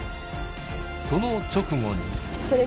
その直後に。